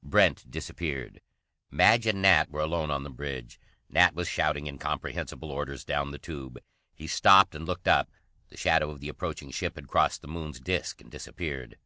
Brent disappeared. Madge and Nat were alone on the bridge. Nat was shouting incomprehensible orders down the tube. He stopped and looked up. The shadow of the approaching ship had crossed the Moon's disk and disappeared.